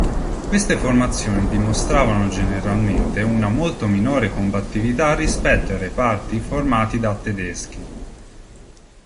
Queste formazioni dimostravano generalmente una molto minore combattività rispetto ai reparti formati da tedeschi.